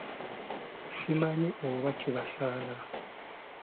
Simanyi oba kibasaana!